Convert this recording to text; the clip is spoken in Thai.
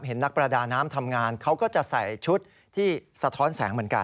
นักประดาน้ำทำงานเขาก็จะใส่ชุดที่สะท้อนแสงเหมือนกัน